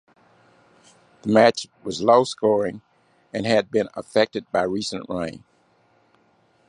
The match was low scoring and had been affected by recent rain.